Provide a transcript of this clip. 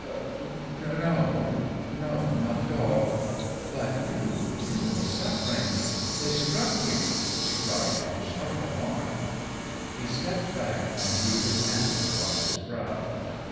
"No, no, not at all. But you, you are suffering; they struck you!" she cried in sharp alarm. He stepped back and drew his hand across his brow.